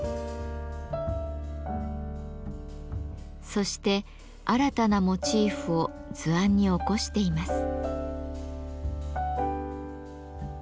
そして新たなモチーフを図案に起こしています。